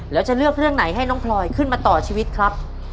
แล้วจะเลือกเรื่องไหนให้น้องพลอยขึ้นมาต่อชีวิตครับ